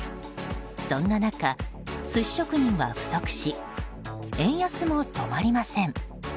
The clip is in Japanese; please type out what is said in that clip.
そんな中、寿司職人は不足し円安も止まりません。